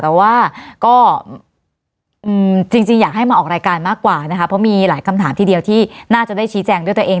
แต่ว่าก็จริงอยากให้มาออกรายการมากกว่านะคะเพราะมีหลายคำถามทีเดียวที่น่าจะได้ชี้แจงด้วยตัวเอง